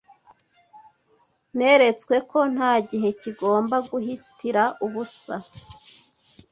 Neretswe ko nta gihe kigomba guhitira ubusa